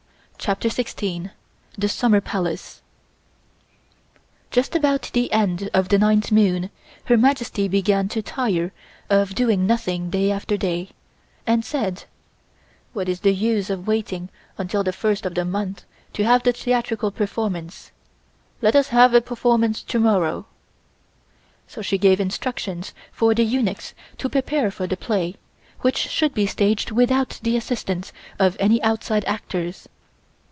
CHAPTER SIXTEEN THE SUMMER PALACE JUST about the end of the ninth moon Her Majesty began to tire of doing nothing day after day, and said: "What is the use of waiting until the first of the month to have the theatrical performance? Let us have a performance to morrow." So she gave instructions for the eunuchs to prepare for the play, which should be staged without the assistance of any outside actors.